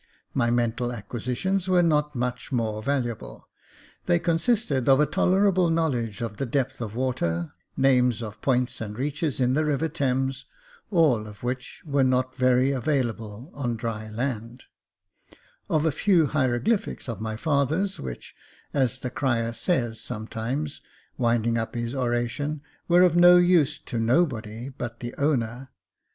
My mental acquisitions were not much more valuable; — they consisted of a tolerable knowledge of the depth of water, names of points and reaches in the River Thames, all of which Jacob Faithful 15 was not very available on dry land — of a few hieroglyphics of my father's, which, as the crier says sometimes, wind ing up his oration, were of "no use to nobody but the owner."